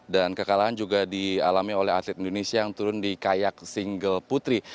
dan kekalahan juga dialami oleh atlet indonesia yang turun di kayak single putri